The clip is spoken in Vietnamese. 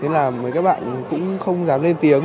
nên là các bạn cũng không dám lên tiếng